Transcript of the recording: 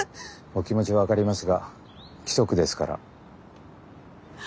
お気持ちは分かりますが規則ですから。